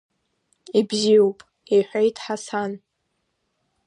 Ибзиоуп, — иҳәеит Ҳасан.